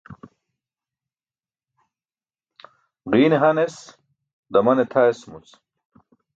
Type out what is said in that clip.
Ġiine han es, damane tʰa esumuc.